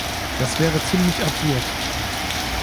Das wäre ziemlich absurd.